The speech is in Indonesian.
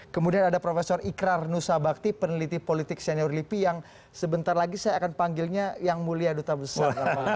kemudian ada prof ikrar nusa bakti peneliti politik senior lipi yang sebentar lagi saya akan panggilnya yang mulia duta besar